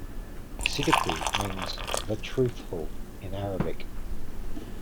Siddiqui means "The Truthful" in Arabic.